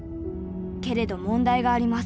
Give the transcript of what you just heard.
けれど問題があります。